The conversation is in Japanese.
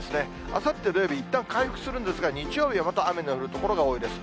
あさって土曜日、いったん回復するんですが、日曜日はまた雨の降る所が多いです。